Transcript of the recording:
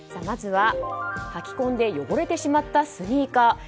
まずは、履き込んで汚れてしまったスニーカー。